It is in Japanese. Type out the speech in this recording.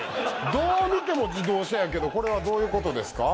どう見ても自動車やけどこれはどういうことですか？